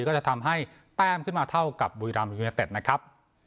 ก็จะทำให้แต้มขึ้นมาเท่ากับบุรีรัมยูเนเต็ดนะครับ